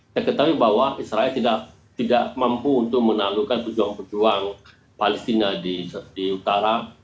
kita ketahui bahwa israel tidak mampu untuk menalukan pejuang pejuang palestina di utara